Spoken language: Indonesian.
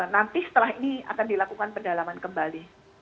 nanti setelah ini akan dilakukan pendalaman kembali